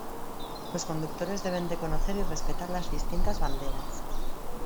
Los conductores deben de conocer y respetar las distintas banderas.